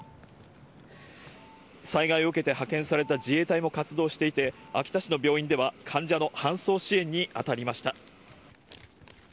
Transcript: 災害を受けて派遣された自衛隊も活動していて、秋田市の病院では、患者の搬送支援に当たりました。